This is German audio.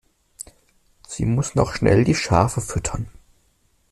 Sie muss noch schnell die Schafe füttern.